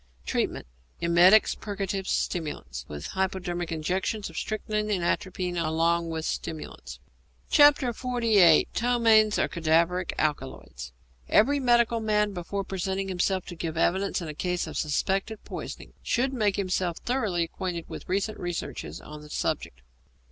Treatment. Emetics, purgatives, stimulants, with hypodermic injections of strychnine and atropine along with stimulants. XLVIII. PTOMAINES OR CADAVERIC ALKALOIDS Every medical man, before presenting himself to give evidence in a case of suspected poisoning, should make himself thoroughly acquainted with recent researches on the subject.